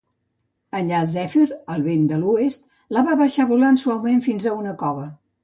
Allà Zèfir, el vent de l'oest, la va baixar volant suaument fins a una cova.